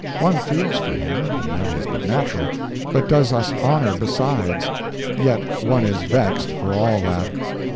One feels for him that is but natural, and does us honor besides yet one is vexed, for all that.